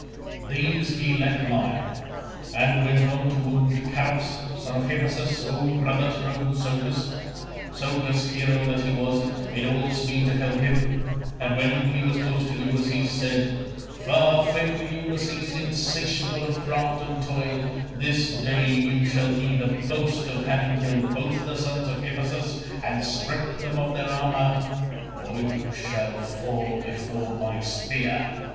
These he let lie, and went on to wound Charops son of Hippasus own brother to noble Socus. Socus, hero that he was, made all speed to help him, and when he was close to Ulysses he said, "Far famed Ulysses, insatiable of craft and toil, this day you shall either boast of having killed both the sons of Hippasus and stripped them of their armour, or you shall fall before my spear."